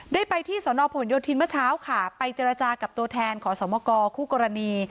ได้ไปที่สนผลโยธินเมื่อเช้าค่ะไปเจรจากับตัวแทนขอสมกคู่กรณี